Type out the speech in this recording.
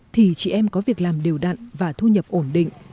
thì chị em có việc làm đều đặn và thu nhập ổn định